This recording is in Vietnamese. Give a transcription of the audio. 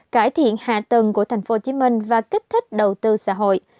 cải thiện hạ tầng của tp hcm và kích thích đầu tư xã hội